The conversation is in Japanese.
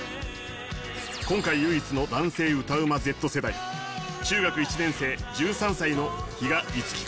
今回唯一の男性歌うまＺ世代中学１年生１３歳の比嘉一稀君。